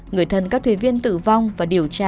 người thân các thuyền viên tử vong và điều tra